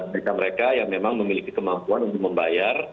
mereka mereka yang memang memiliki kemampuan untuk membayar